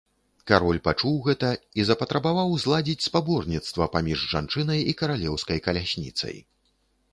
Кароль пачуў гэта і запатрабаваў зладзіць спаборніцтва паміж жанчынай і каралеўскай калясніцай.